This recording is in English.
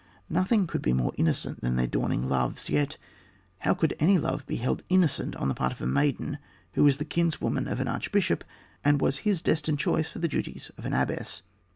Nothing could be more innocent than their dawning loves, yet how could any love be held innocent on the part of a maiden who was the kinswoman of an archbishop and was his destined choice for the duties of an abbess?